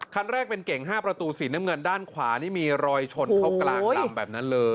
คันแรกเป็นเก่ง๕ประตูสีน้ำเงินด้านขวานี่มีรอยชนเข้ากลางลำแบบนั้นเลย